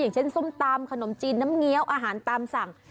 อย่างเช่นส้มตำขนมจีนน้ำเงี้ยวอาหารตามสั่ง